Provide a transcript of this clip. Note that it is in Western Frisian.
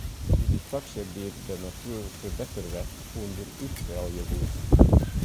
It wie dy fraksje dy’t de natuerferbetterwet ûnderúthelje woe.